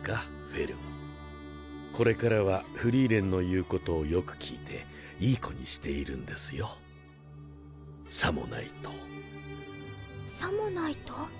フェルンこれからはフリーレンの言うことをよく聞いていい子にしているんですよさもないとさもないと？